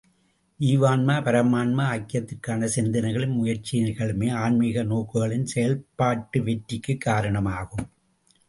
ஜீவான்ம, பரமான்ம ஐக்கியத்திற்கான சிந்தனைகளும், முயற்சிகளுமே ஆன்மீக நோக்குகளின் செயல்பாட்டு வெற்றிக்குக் காரணமாகும்.